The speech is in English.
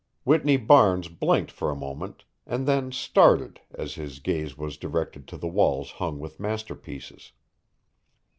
Whitney Barnes blinked for a moment, and then started as his gaze was directed to the walls hung with masterpieces.